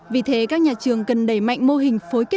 vì thế các nhà trường cần đẩy mạnh mô hình phối kết